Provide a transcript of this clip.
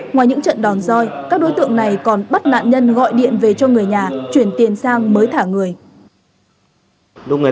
ngoài những trận đòn roi các đối tượng này còn bắt nạn nhân gọi điện về cho người nhà chuyển tiền sang mới thả người